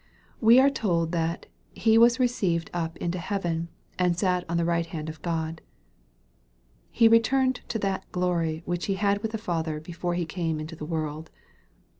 We are told that " He was received up into heaven, and sat on the right hand of God." He returned to that glory which He had with the Father before He came into the world.